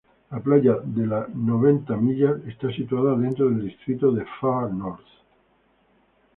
La Playa de las noventa millas está situada dentro del distrito de Far North.